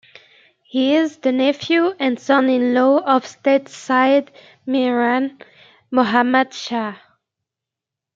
He is the nephew and son-in-law of Late Syed Miran Mohammad Shah.